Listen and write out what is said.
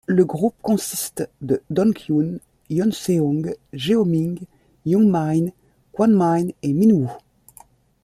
Le groupe consiste de Donghyun, Hyunseong, Jeongmin, Youngmin, Kwangmin et Minwoo.